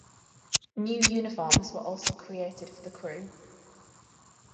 New uniforms were also created for the crew.